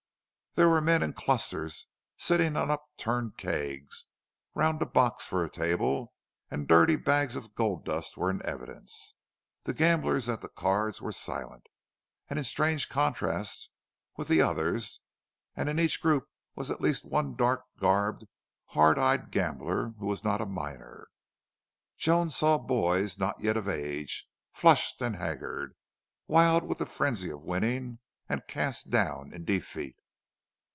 There were men in clusters, sitting on upturned kegs, round a box for a table, and dirty bags of gold dust were in evidence. The gamblers at the cards were silent, in strange contrast with the others; and in each group was at least one dark garbed, hard eyed gambler who was not a miner. Joan saw boys not yet of age, flushed and haggard, wild with the frenzy of winning and cast down in defeat.